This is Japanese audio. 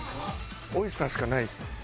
オイスターしかない。